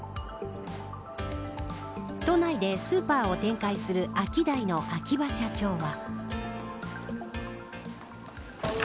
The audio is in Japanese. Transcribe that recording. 都内でスーパーを展開するアキダイの秋葉社長は。